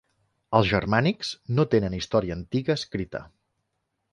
Els germànics no tenen història antiga escrita.